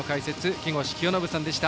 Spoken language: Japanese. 木越清信さんでした。